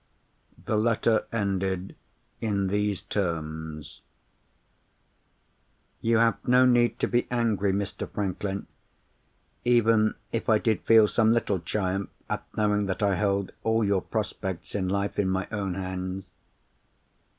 The letter ended in these terms: "You have no need to be angry, Mr. Franklin, even if I did feel some little triumph at knowing that I held all your prospects in life in my own hands.